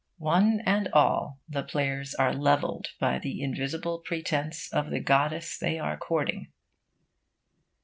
One and all, the players are levelled by the invisible presence of the goddess they are courting.